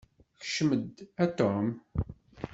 Kcem-d, a Tom.